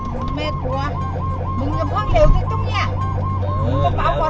ผู้ชีพเราบอกให้สุจรรย์ว่า๒